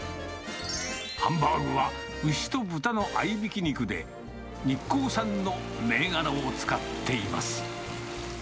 ハンバーグは牛と豚の合いびき肉で、日光産の銘柄を使っています。